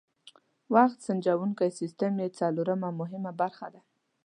وخت سنجوونکی سیسټم یې څلورمه مهمه برخه ده.